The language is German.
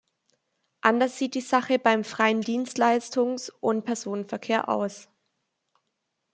Anders sieht die Sache beim freien Dienstleistungsund Personenverkehr aus.